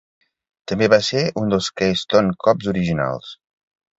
També va ser un dels Keystone Kops originals.